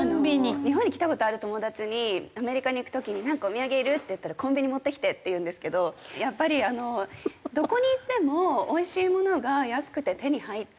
日本に来た事ある友達にアメリカに行く時に「なんかお土産いる？」って言ったら「コンビニ持ってきて」って言うんですけどやっぱりどこに行ってもおいしいものが安くて手に入って。